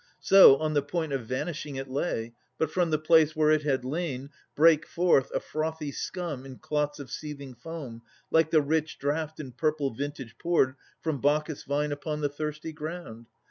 So, on the point of vanishing, it lay. But, from the place where it had lain, brake forth A frothy scum in clots of seething foam, Like the rich draught in purple vintage poured From Bacchus' vine upon the thirsty ground.